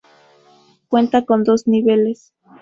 Cuenta con dos niveles.